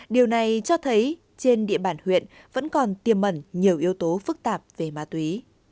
điều này cho thấy trên địa bàn huyện vẫn còn tiềm mẩn nhiều yếu tố phức tạp về ma túy